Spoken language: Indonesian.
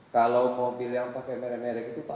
kalau mobil yang pakai merek merek itu pak